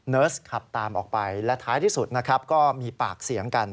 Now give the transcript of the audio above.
สขับตามออกไปและท้ายที่สุดนะครับก็มีปากเสียงกัน